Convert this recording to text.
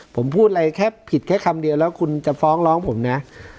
ผมพูดอะไรแค่ผิดแค่คำเดียวแล้วคุณจะฟ้องร้องผมนะ